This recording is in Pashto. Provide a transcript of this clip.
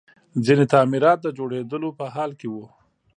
ځینې تعمیرات د جوړېدلو په حال کې وو